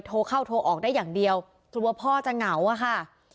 โทรเข้าโทรออกได้อย่างเดียวกลัวพ่อจะเหงาอะค่ะ